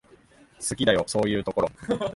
好きだよ、そういうところ。